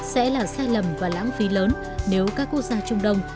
sẽ là sai lầm và lãng phí lớn nếu các quốc gia trung đông